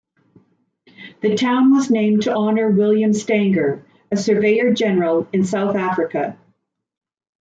The town was named to honour William Stanger, a surveyor-general in South Africa.